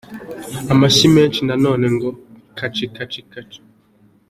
Amashyi menshi nanone ngo kaci kaci kaci kaci….